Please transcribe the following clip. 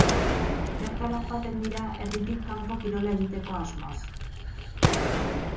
Bertara joaten dira, herritik kanpo kirola egiteko asmoz.